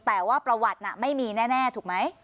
แต่ว่าประวัติน่ะไม่มีแน่ถูกไหม